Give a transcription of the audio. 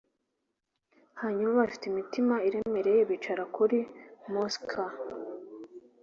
hanyuma, bafite imitima iremereye, bicara kuri musik